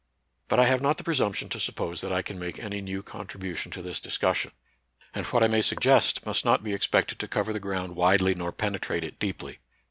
But I have not the presumption to suppose that I can make any new contribution to this discussion ; and what I may suggest must not be expected to cover the ground widely nor penetrate it deeply.